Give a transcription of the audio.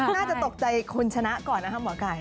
น่าจะตกใจคุณชนะก่อนนะคะหมอไก่